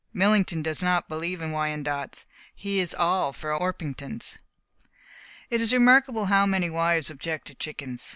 Millington does not believe in Wyandottes. He is all for Orpingtons. It is remarkable how many wives object to chickens.